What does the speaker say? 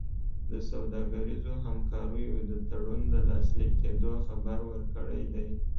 د سوداګریزو همکاریو د تړون د لاسلیک کېدو خبر ورکړی دی.